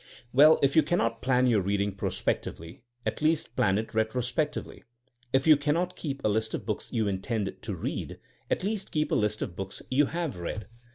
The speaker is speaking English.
Well, if you can not plan your reading prospectively, at least plan it retrospectively. If you cannot keep a list of books you intend to read, at least keep a list of books you have read.